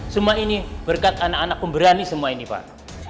semua ini berkat anak anak pemberani semua ini pak